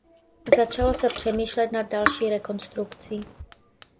Začalo se přemýšlet nad další rekonstrukcí.